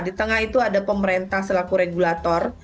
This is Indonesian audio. di tengah itu ada pemerintah selaku regulator